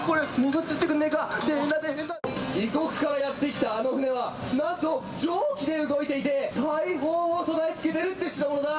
異国からやって来たあの船はなんと蒸気で動いていて大砲を備え付けてるって代物だ。